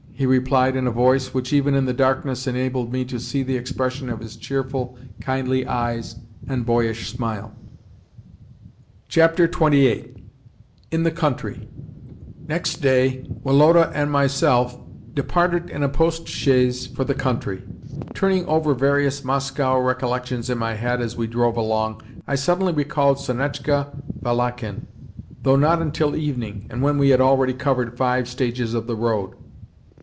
he replied in a voice which, even in the darkness, enabled me to see the expression of his cheerful, kindly eyes and boyish smile. XXVIII. IN THE COUNTRY Next day Woloda and myself departed in a post chaise for the country. Turning over various Moscow recollections in my head as we drove along, I suddenly recalled Sonetchka Valakhin though not until evening, and when we had already covered five stages of the road.